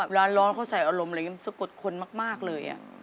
ร้อนเขาใส่อารมณ์อะไรอย่างนี้มันสะกดคนมากเลย